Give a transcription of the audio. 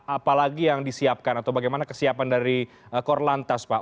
apalagi yang disiapkan atau bagaimana kesiapan dari korlantas pak